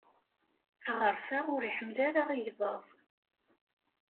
Aɣref-a ur iḥemmel ara igḍaḍ.